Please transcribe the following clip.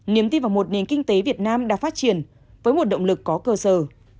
niềm tin vào một nền kinh tế việt nam đã phát triển với một động lực có cơ sở